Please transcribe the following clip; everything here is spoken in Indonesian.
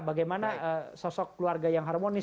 bagaimana sosok keluarga yang harmonis